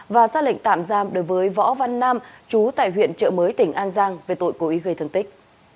và xác lệnh tạm giam đối với võ văn nam chú tại huyện trợ mới tỉnh an giang về tội cố ý gây thương tích